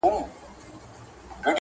د یو نظام مخالفت